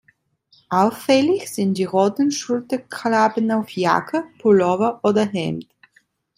Auffällig sind die roten Schulterklappen auf Jacke, Pullover oder Hemd.